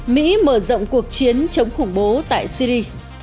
mỹ mở rộng cuộc chiến chống khủng bố tại syri